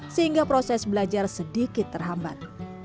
sehingga proses belajar sedikit terhambat